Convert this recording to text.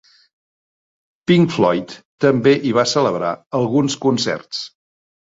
Pink Floyd també hi va celebrar alguns concerts.